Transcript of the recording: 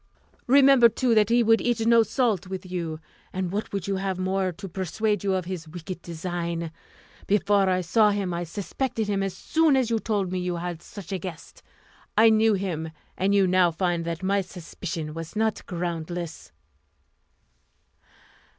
Remember, too, that he would eat no salt with you; and what would you have more to persuade you of his wicked design? Before I saw him, I suspected him as soon as you told me you had such a guest. I knew him, and you now find that my suspicion was not groundless."